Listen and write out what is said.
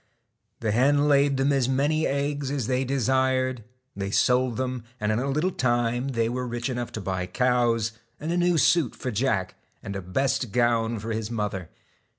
The hen laid them as many eggs as they desired ; they sold them, and in a little time were rich enough to buy cows, and a new suit for Jack, and a best gown for his mother.